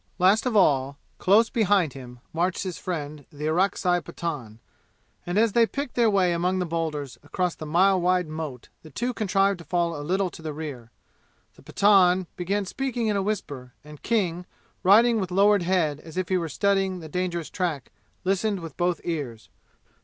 Last of all, close behind him, marched his friend, the Orakzai Pathan, and as they picked their way among the boulders across the mile wide moat the two contrived to fall a little to the rear. The Pathan began speaking in a whisper and King, riding with lowered head as if he were studying the dangerous track, listened with both ears.